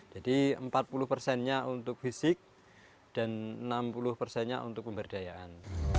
jadi empat puluh persennya untuk fisik dan enam puluh persennya untuk pemberdayaan